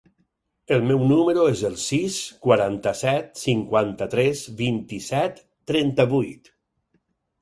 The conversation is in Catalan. El meu número es el sis, quaranta-set, cinquanta-tres, vint-i-set, trenta-vuit.